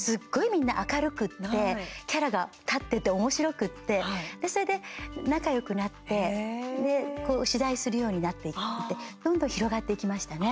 みんな明るくてキャラが立ってておもしろくってそれで仲よくなって取材するようになっていってどんどん広がっていきましたね。